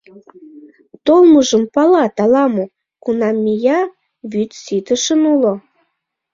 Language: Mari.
Толмыжым палат ала-мо, кунам мия — вӱд ситышын уло.